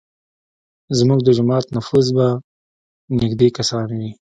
زموږ د جومات نفوس به نیږدی کسان وي.